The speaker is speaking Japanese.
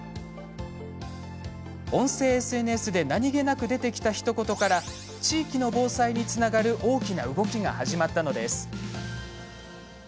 音声ＳＮＳで何気なく出てきたひと言から地域の防災につながる大きな動きが始まったのです。